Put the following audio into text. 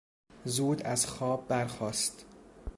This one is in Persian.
زود از خواب برخاست.